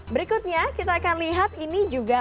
berikutnya kita akan lihat ini juga